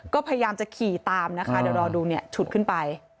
ก็พยายามจะขี่ตามนะคะเดี๋ยวรอดูเนี่ยฉุดขึ้นไป